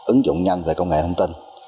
ứng dụng nhanh về công nghệ thông tin